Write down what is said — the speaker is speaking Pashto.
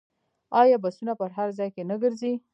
آیا بسونه په هر ځای کې نه ګرځي؟